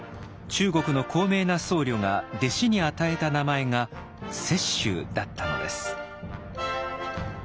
中国の高名な僧侶が弟子に与えた名前が「雪舟」だったのです。